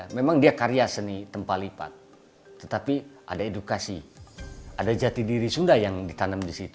memang dia karya seni tempat lipat tetapi ada edukasi ada jati diri sunda yang ditanam di situ